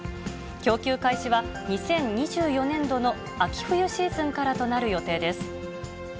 供給開始は、２０２４年度の秋冬シーズンからとなる予定です。